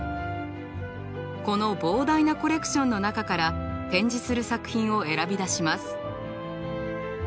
この膨大なコレクションの中から展示する作品を選び出します。